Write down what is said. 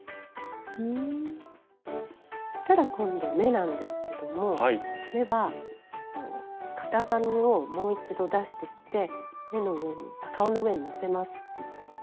そしたら今度目なんですけども目は型紙をもう一度出してきて顔の上にのせます。